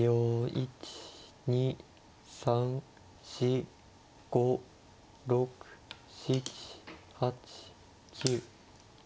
１２３４５６７８９。